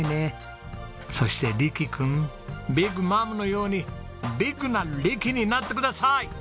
そして力君ビッグマムのようにビッグな力になってください！